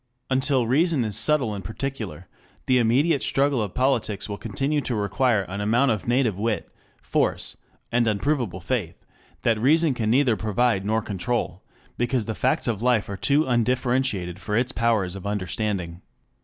Until reason is subtle and particular, the immediate struggle of politics will continue to require an amount of native wit, force, and unprovable faith, that reason can neither provide nor control, because the facts of life are too undifferentiated for its powers of understanding.